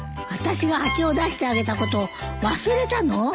私が蜂を出してあげたことを忘れたの？